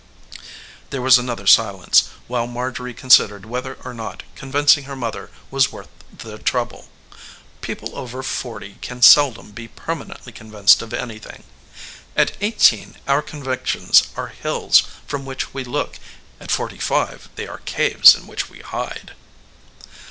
There was another silence, while Marjorie considered whether or not convincing her mother was worth the trouble. People over forty can seldom be permanently convinced of anything. At eighteen our convictions are hills from which we look; at forty five they are caves in which we hide.